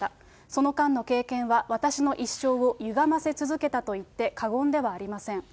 その間の経験は、私の一生をゆがませ続けたと言って過言ではありません。